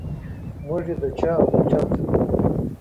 موږ یې د چا او په چا څه کوو.